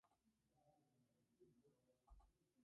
Tomó ocho años para que el caso pasase a juicio.